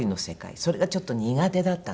それがちょっと苦手だったんです。